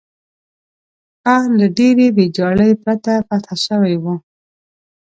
ښار له ډېرې ویجاړۍ پرته فتح شوی وو.